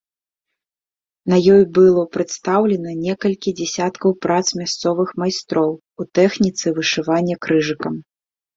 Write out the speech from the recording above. На ёй было прадстаўлена некалькі дзесяткаў прац мясцовых майстроў у тэхніцы вышывання крыжыкам.